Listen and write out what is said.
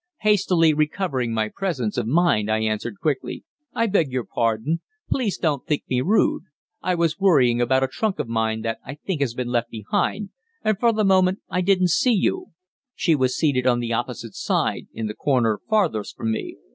Hastily recovering my presence of mind, I answered quickly: "I beg your pardon. Please don't think me rude; I was worrying about a trunk of mine that I think has been left behind, and for the moment I didn't see you" she was seated on the opposite side, in the corner farthest from me.